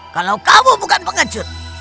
kalau kamu bukan pengecut